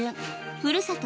ふるさと